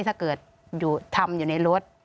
ถ้าเกิดทำอยู่ในรถ